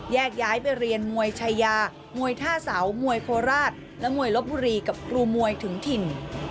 ย้ายไปเรียนมวยชายามวยท่าเสามวยโคราชและมวยลบบุรีกับครูมวยถึงถิ่น